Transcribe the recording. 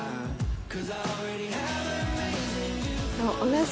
同じ。